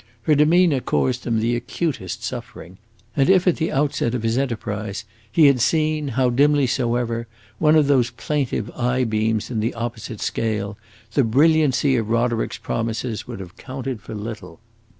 Her demeanor caused him the acutest suffering, and if, at the outset of his enterprise, he had seen, how dimly soever, one of those plaintive eye beams in the opposite scale, the brilliancy of Roderick's promises would have counted for little.